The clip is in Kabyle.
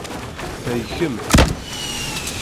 Ta i kemm.